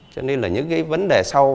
cho nên là những cái vấn đề sau